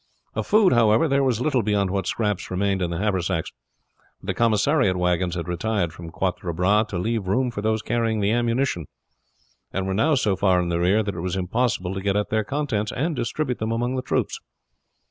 Of food, however, there was little beyond what scraps remained in the haversacks; for the commissariat wagons had retired from Quatre Bras to leave room for those carrying the ammunition, and were now so far in the rear that it was impossible to get at their contents, and distribute them among the troops.